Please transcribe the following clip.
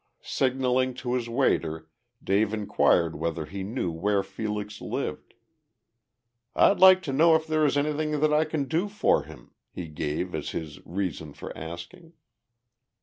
Signaling to his waiter, Dave inquired whether he knew where Felix lived. "I'd like to know if there is anything that I can do for him," he gave as his reason for asking.